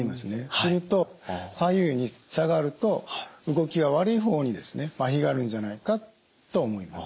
すると左右に差があると動きが悪い方にまひがあるんじゃないかと思います。